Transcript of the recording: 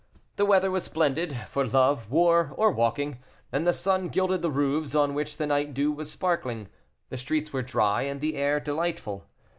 The weather was splendid, for love, war, or walking; and the sun gilded the roofs, on which the night dew was sparkling. The streets were dry, and the air delightful.